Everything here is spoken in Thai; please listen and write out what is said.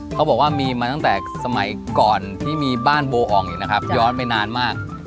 เขาบอกว่ามีมาตั้งแต่สมัยก่อนที่มีบ้านโบอองอีกนะครับย้อนไปนานมาก